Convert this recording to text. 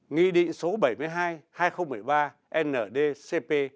nghị định số bảy mươi hai hai nghìn một mươi ba ndcp